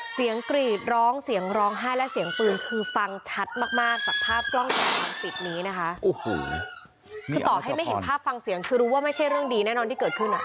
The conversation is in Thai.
เสียงกรีดร้องเสียงร้องไห้และเสียงปืนคือฟังชัดมากจากภาพกล้องจัดทางปิดนี้นะคะ